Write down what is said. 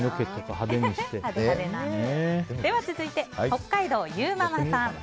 続いて、北海道の方。